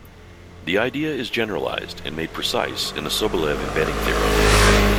This idea is generalized and made precise in the Sobolev embedding theorem.